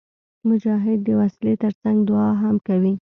مجاهد د وسلې تر څنګ دعا هم کوي.